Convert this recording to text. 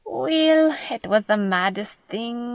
"Weel, it was the maddest thing!"